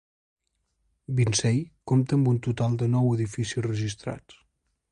Binsey compta amb un total de nou edificis registrats.